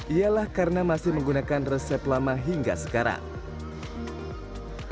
ialah karena masih menggunakan resep lama hingga sekarang